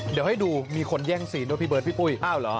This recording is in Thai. เดี๋ยวให้ดูมีคนแย่งศีลด้วยพี่เบิร์ดพี่ปุ้ย